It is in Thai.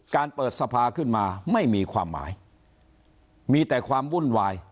เปิดสภาขึ้นมาไม่มีความหมายมีแต่ความวุ่นวาย